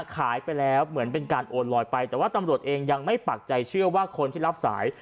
ขายไปแล้วเหมือนเป็นการโอนลอยไปแต่ว่าตำรวจเองยังไม่ปักใจเชื่อว่าคนที่รับสาย